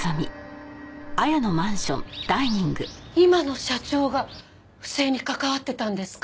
今の社長が不正に関わってたんですか？